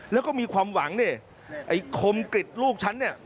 แล้วก็มีความหวังเนี่ยไอ้คมกริจลูกฉันเนี่ย